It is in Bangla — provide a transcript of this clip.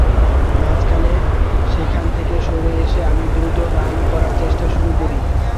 মাঝখানে সেখান থেকে সরে এসে আমি দ্রুত রান করার চেষ্টা শুরু করি।